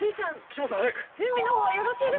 準備の方はよろしいでしょうか？